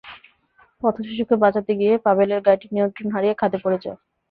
পথে শিশুকে বাঁচাতে গিয়ে পাভেলের গাড়িটি নিয়ন্ত্রণ হারিয়ে খাদে পড়ে যায়।